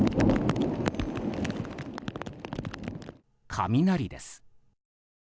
雷です。